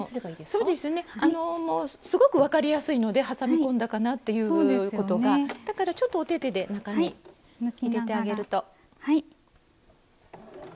そうですねすごく分かりやすいので挟み込んだかなということがだからちょっとおててで中に入れてあげると。